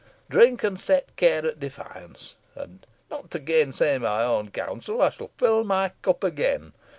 Drink, and set care at defiance. And, not to gainsay my own counsel, I shall fill my cup again.